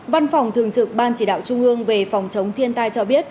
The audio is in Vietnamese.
văn phòng thường trực ban chỉ đạo trung ương về phòng chống thiên tai cho biết